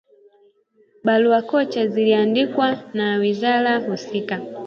Barua kocho ziliandikwa na wizara husika